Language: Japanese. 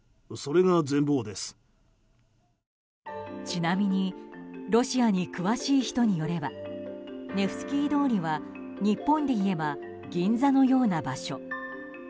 ちなみにロシアに詳しい人によればネフスキー通りは日本でいえば銀座のような場所。